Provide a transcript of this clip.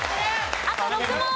あと６問！